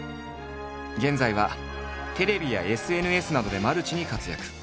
現在はテレビやＳＮＳなどでマルチに活躍。